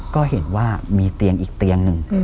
ก็เห็นว่ามีเตียงอีกเตียงหนึ่ง